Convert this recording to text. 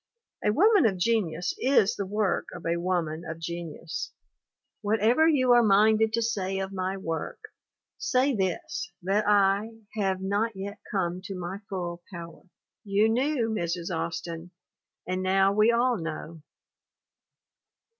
A Woman of Genius is the work of a woman of genius. i ;6 THE WOMEN WHO MAKE OUR NOVELS "Whatever you are minded to say of my work say this that I ... have not yet come to my full power." You knew, Mrs. Austin. And now we all know.